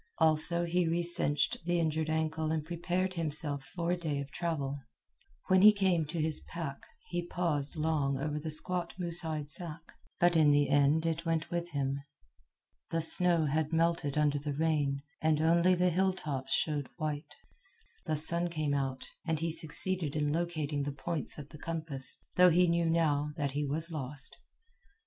Also, he recinched the injured ankle and prepared himself for a day of travel. When he came to his pack, he paused long over the squat moose hide sack, but in the end it went with him. The snow had melted under the rain, and only the hilltops showed white. The sun came out, and he succeeded in locating the points of the compass, though he knew now that he was lost.